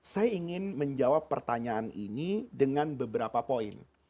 saya ingin menjawab pertanyaan ini dengan beberapa poin